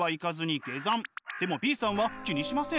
でもＢさんは気にしません。